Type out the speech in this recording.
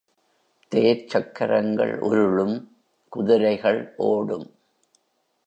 தேர்ச்சக்கரங்கள் உருளும் குதிரைகள் ஓடும்.